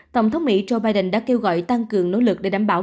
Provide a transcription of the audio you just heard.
tổng thống mỹ joe biden đã kêu gọi tăng cường nỗ lực để đảm bảo